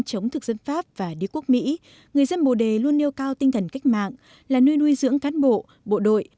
chống thực dân pháp và đế quốc mỹ người dân bồ đề luôn nêu cao tinh thần cách mạng là nơi nuôi dưỡng cán bộ bộ đội